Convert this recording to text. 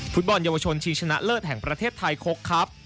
ฟุตบอลเยาวชนชิงชนะเลิศแห่งประเทศไทยคกครับ